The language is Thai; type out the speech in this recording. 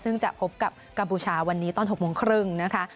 ซึ่งจะพบกับกัมพูชาวันนี้ตอน๖โมงครึ่งนะคะ